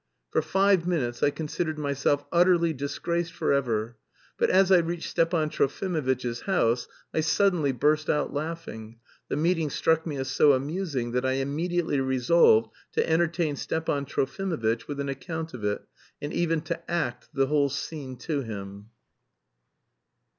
For five minutes I considered myself utterly disgraced forever, but as I reached Stepan Trofimovitch's house I suddenly burst out laughing; the meeting struck me as so amusing that I immediately resolved to entertain Stepan Trofimovitch with an account of it, and even to act the whole scene to him.